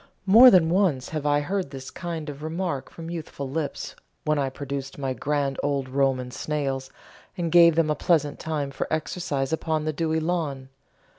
More than once have I heard this kind of remark from youthful lips when I produced my grand old Roman snails and gave them a pleasant time for exercise upon the dewy lawn.